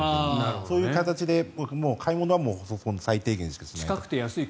そういう形で買い物は最低限しかしない。